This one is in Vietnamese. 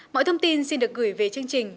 mọi thông tin xin được gửi về chương trình